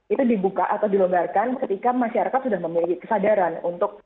itu dibuka atau dilonggarkan ketika masyarakat sudah memiliki kesadaran untuk